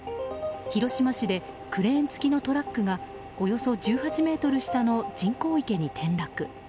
広島市でクレーン付きのトラックがおよそ１８ｍ下の人工池に転落。